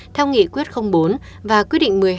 theo nghị quyết bốn và quyết định một mươi hai